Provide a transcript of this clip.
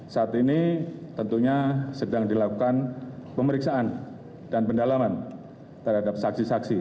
saat ini tentunya sedang dilakukan pemeriksaan dan pendalaman terhadap saksi saksi